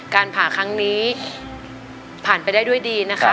การผ่าครั้งนี้ผ่านไปได้ด้วยดีนะคะ